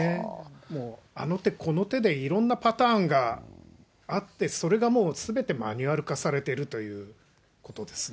もうあの手この手でいろんなパターンがあって、それがもうすべてマニュアル化されているということですね。